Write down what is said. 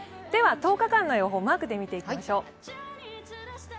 １０日間の予報をマークで見ていきましょう。